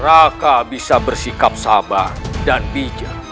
raka bisa bersikap sabar dan bijak